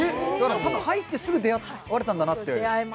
たぶん入ってすぐ出会われたんだなって。